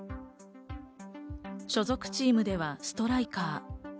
所属チームではストライカー。